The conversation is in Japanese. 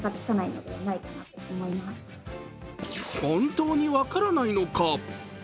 本当に分からないのか？